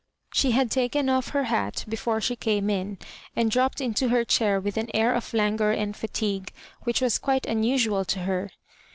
She had taken off her hat before she came in, and dropped into her chair with an air of languor and fatigue which was quite unusual to her.